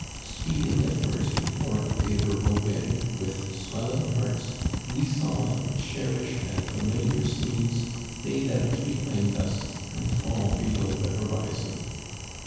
Speeding at first before a favorable wind, with swelling hearts we saw the cherished and familiar scenes fade out behind us and fall below the horizon.